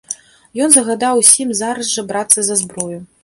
Ён загадаў усім зараз жа брацца за зброю.